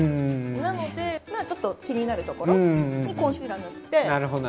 なので、気になるところにコンシーラー塗って。